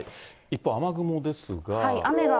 一方、雨雲ですが。